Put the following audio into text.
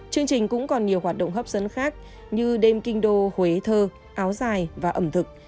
chương trình cũng còn nhiều hoạt động hấp dẫn khác như đêm kinh đô huế thơ áo dài và ẩm thực